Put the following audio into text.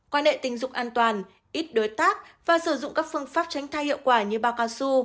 quan hệ tình dục an toàn ít đối tác và sử dụng các phương pháp tránh thai hiệu quả như bao cao su